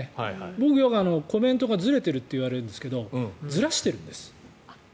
僕、コメントがよくずれているといわれるんですけどずらしてるんです。